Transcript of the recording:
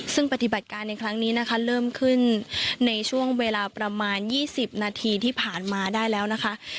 ซึ่งปฏิบัติการในครั้งนี้นะคะเริ่มขึ้นในช่วงเวลาประมาณ๒๐นาทีที่ผ่านมาได้แล้วนะคะ